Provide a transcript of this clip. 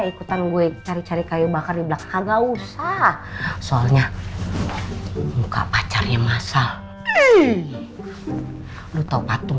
ikutan gue cari cari kayu bakar di belakang nggak usah soalnya muka pacarnya masal lu tau patung